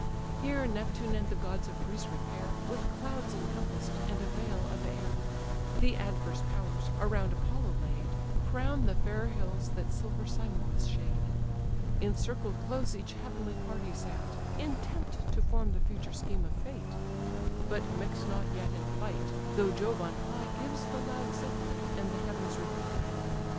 Here Neptune and the gods of Greece repair, With clouds encompass'd, and a veil of air: The adverse powers, around Apollo laid, Crown the fair hills that silver Simois shade. In circle close each heavenly party sat, Intent to form the future scheme of fate; But mix not yet in fight, though Jove on high Gives the loud signal, and the heavens reply.